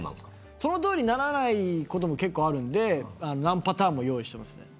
そのとおりにならないことも結構あるので何パターンも用意しています。